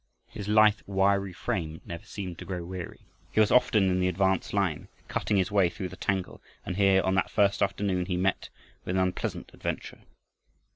His lithe, wiry frame never seemed to grow weary. He was often in the advance line, cutting his way through the tangle, and here on that first afternoon he met with an unpleasant adventure.